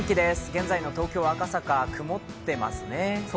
現在の東京・赤坂、曇っていますね。